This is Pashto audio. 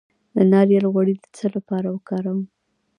د ناریل غوړي د څه لپاره وکاروم؟